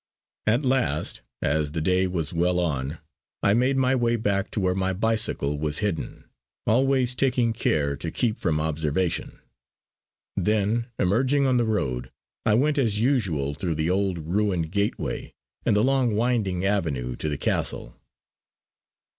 At last, as the day was well on, I made my way back to where my bicycle was hidden, always taking care to keep from observation. Then emerging on the road, I went as usual through the old ruined gateway and the long winding avenue to the castle.